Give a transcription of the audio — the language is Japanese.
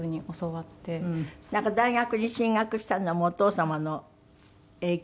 大学に進学したのもお父様の影響。